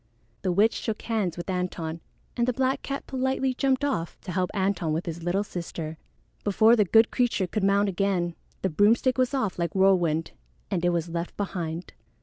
The witch shook hands with Antone, and the black cat politely jumped off to help Antone with his little sister. Before the good creature could mount again, the broomstick was off like whirlwind, and it was left behind.